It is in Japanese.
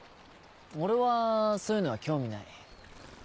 俺はそういうのは興味ない。